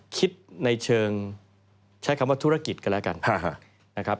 คิดในเชิงใช้คำว่าธุรกิจก็แล้วกันนะครับ